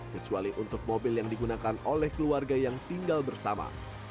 kecuali untuk mobil yang digunakan oleh keluarga yang tinggal bersama